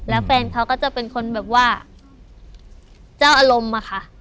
แล้วแฟนเขาก็จะเป็นคนแบบว่าเจ้าอารมณ์อะค่ะ